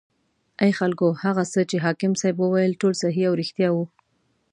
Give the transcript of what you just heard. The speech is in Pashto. ای خلکو هغه څه چې حاکم صیب وویل ټول صحیح او ریښتیا و.